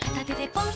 ポン！